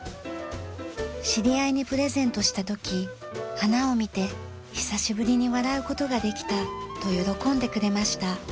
知り合いにプレゼントした時「花を見て久しぶりに笑う事ができた」と喜んでくれました。